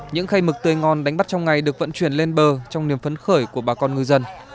những khay mực tươi ngon đánh bắt trong ngày được vận chuyển lên bờ trong niềm phấn khởi của bà con ngư dân